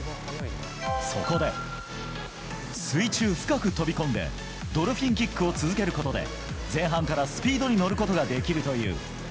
そこで、水中深く飛び込んで、ドルフィンキックを続けることで、前半からスピードに乗ることができるという。